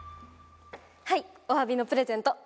はいおわびのプレゼント。